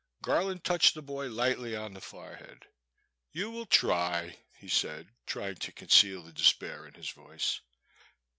Garland touched the boy lightly on the fore head. " You will try," he said, trying to conceal the despair in his voice.